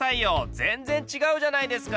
全然違うじゃないですか！